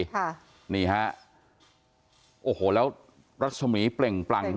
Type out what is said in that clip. ค่ะนี่ฮะโอ้โหแล้วรัศมีร์เปล่งปลั่ง